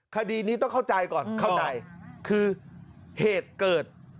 คดีนี้ต้องเข้าใจก่อนเข้าใจคือเหตุเกิด